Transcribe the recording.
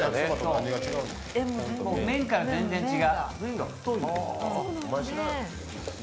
麺から全然違う。